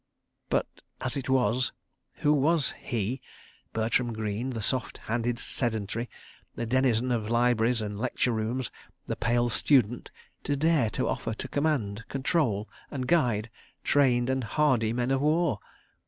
But, as it was, who was he, Bertram Greene, the soft handed sedentary, the denizen of libraries and lecture rooms, the pale student, to dare to offer to command, control and guide trained and hardy men of war?